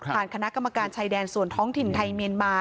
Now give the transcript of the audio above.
คณะกรรมการชายแดนส่วนท้องถิ่นไทยเมียนมา